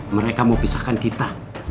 mereka mau pisahkan kita